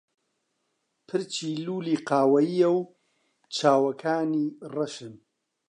پرچی لوولی قاوەیییە و چاوەکانی ڕەشن.